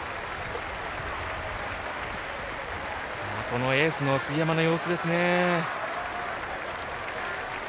このエースの杉山の様子ですね。